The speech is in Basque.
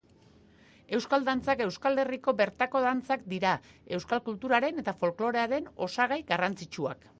Euskal Dantzak Euskal Herriko bertako dantzak dira, Euskal kulturaren eta folklorearen osagai garrantzitsuak.